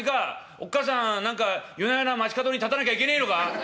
おっ母さん何か夜な夜な街角に立たなきゃいけねえのか？